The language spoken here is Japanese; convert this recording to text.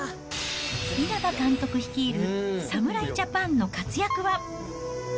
稲葉監督率いる侍ジャパンの活躍は。